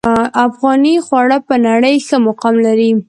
افغاني خواړه په نړۍ ښه مقام لري